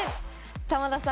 玉田さん